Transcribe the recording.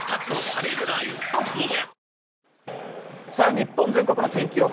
日本全国の天気予報。